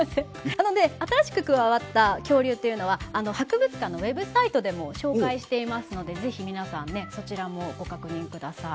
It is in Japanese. なので新しく加わった恐竜っていうのは博物館のウェブサイトでも紹介していますので是非皆さんねそちらもご確認ください。